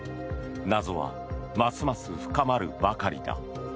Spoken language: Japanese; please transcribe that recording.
謎はますます深まるばかりだ。